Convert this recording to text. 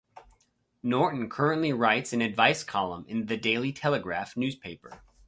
Norton currently writes an advice column in "The Daily Telegraph" newspaper.